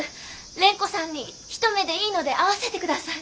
蓮子さんに一目でいいので会わせて下さい。